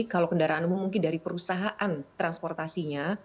kalau kendaraan umum mungkin dari perusahaan transportasinya